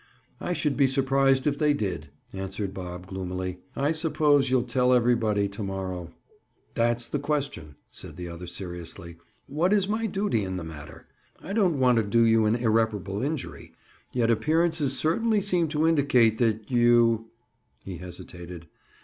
"I should be surprised if they did," answered Bob gloomily. "I suppose you'll tell everybody to morrow." "That's the question," said the other seriously. "What is my duty in the matter? I don't want to do you an irreparable injury, yet appearances certainly seem to indicate that you—" He hesitated.